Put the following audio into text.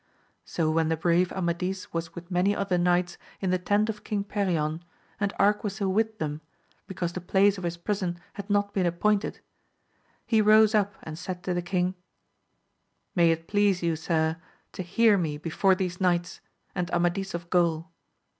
So when the brave Amadis was with many other knights in the tent of King Perion, and Arquisil with them, because the place of his prison AMADIS OF GAUL. 161 had not been appointed, he rose up and said to the king, May it please you, sir, to hear me before these knights, and Amadis of Gaul.